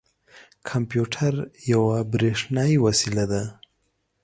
کمپیوټر یوه بریښنايې وسیله ده.